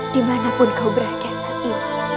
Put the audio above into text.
dimana pun kau berada saat ini